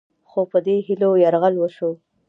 خو په دې هیلو یرغل وشو